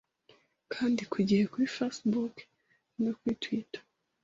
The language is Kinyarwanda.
kandi kugihe kuri Facebook no kuri twitter